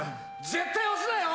絶対押すなよ！